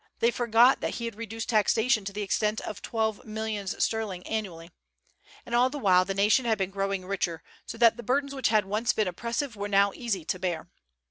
They forgot that he had reduced taxation to the extent of twelve millions sterling annually; and all the while the nation had been growing richer, so that the burdens which had once been oppressive were now easy to bear.